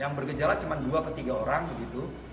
yang bergejala cuma dua ke tiga orang gitu